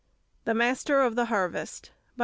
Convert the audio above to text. THE MASTER OF THE HARVEST BY MRS.